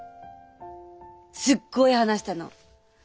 すっごい話したの。